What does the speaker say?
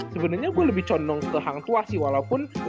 sebenernya gue lebih condong ke hang tuah sih walaupun